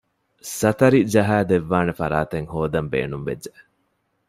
ސަތަރި ޖަހައި ދެއްވާނެ ފަރާތެއް ހޯދަން ބޭނުންވެއްޖެ